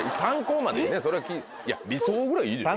いや理想ぐらいいいでしょ。